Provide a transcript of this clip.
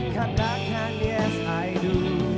katakan yes i do